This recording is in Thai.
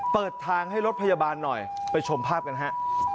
เปิดทางให้รถพยาบาลหน่อยไปชมภาพกันฮะ